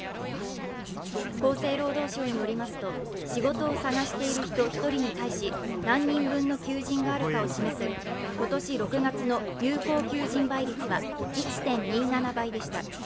厚生労働省によりますと、仕事を探している人１人に対し、何人分の求人があるかを示す今年６月の有効求人倍率は１．２７倍でした。